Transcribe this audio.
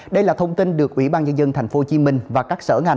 đây là thông tin được ủy ban nhân dân tp hcm và các sở ngành